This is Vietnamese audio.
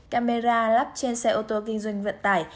camera lắp trên xe ô tô kinh doanh vận tải